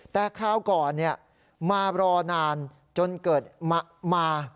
แต่คราวก่อนมารอนานจนเกิดมา